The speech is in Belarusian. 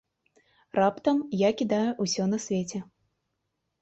Раптам я кідаю ўсё на свеце.